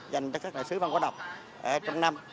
dành cho các đại sứ văn hóa đọc trong năm